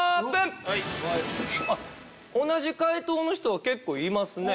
同じ解答の人結構いますね。